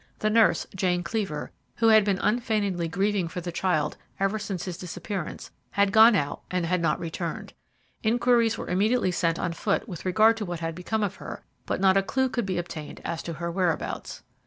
The nurse, Jane Cleaver, who had been unfeignedly grieving for the child ever since his disappearance, had gone out and had not returned. Inquiries were immediately set on foot with regard to what had become of her, but not a clue could be obtained as to her whereabouts.